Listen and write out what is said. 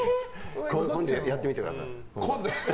やってみてください。